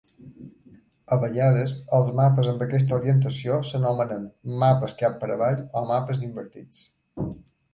A vegades, els mapes amb aquesta orientació s'anomenen mapes cap per avall o mapes invertits.